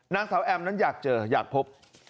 นางสาวแอมนั้นอยากเจออยากพบ